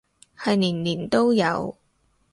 係年年都有